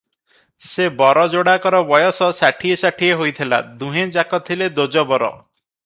ସେ ବର ଯୋଡ଼ାକର ବୟସ ଷାଠିଏ ଷାଠିଏ ହୋଇଥିଲା, ଦୁହେଁଯାକ ଥିଲେ ଦୋଜବର ।